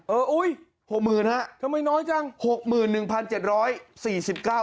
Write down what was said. เอออุ๊ยทำไมน้อยจัง๖หมื่นฮะ